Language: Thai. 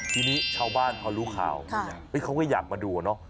ทีนี้ชาวบ้านพอรู้ข่าวเขาก็อยากมาดูอะเนาะ